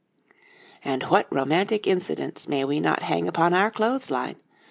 And what romantic incidents may we not hang upon our clothes line!